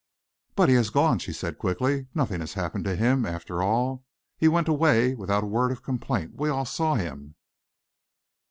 "But he has gone," she said quickly. "Nothing happened to him, after all. He went away without a word of complaint. We all saw him."